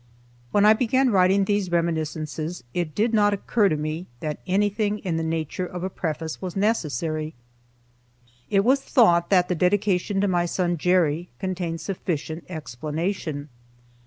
When I began writing these reminiscences it did not occur to me that anything in the nature of a preface was necessary. It was thought that the dedication to my son Jerry contained sufficient explanation.